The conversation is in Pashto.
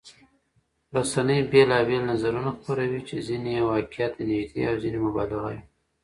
رسنۍ بېلابېل نظرونه خپروي چې ځینې یې واقعيت ته نږدې او ځینې مبالغه وي.